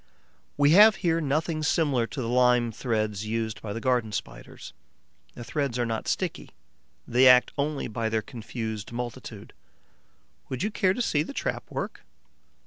We have here nothing similar to the lime threads used by the Garden Spiders. The threads are not sticky; they act only by their confused multitude. Would you care to see the trap at work?